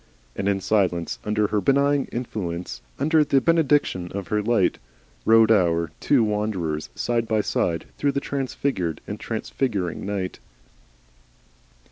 And in silence under her benign influence, under the benediction of her light, rode our two wanderers side by side through the transfigured and transfiguring night.